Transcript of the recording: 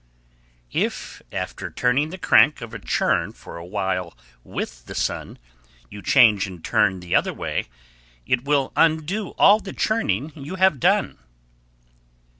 _ 1146. If, after turning the crank of a churn for a while with the sun, you change and turn the other way, it will undo all the churning you have done.